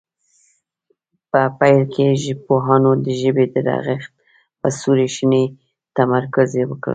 په پیل کې ژبپوهانو د ژبې د رغښت په صوري شننې تمرکز وکړ